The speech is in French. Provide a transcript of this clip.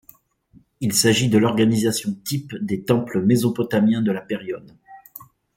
Il s'agit de l'organisation-type des temples mésopotamiens de la période.